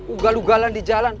ugal ugalan di jalan